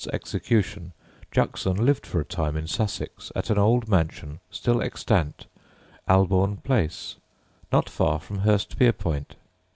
's execution, Juxon lived for a time in Sussex at an old mansion still extant, Albourne Place, not far from Hurstpierpoint.